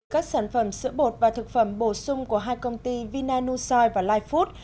các sản phẩm sữa bột và thực phẩm bổ sung của hai công ty vina nusoy và life food